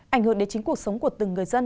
ảnh hưởng đến chính cuộc sống của từng người dân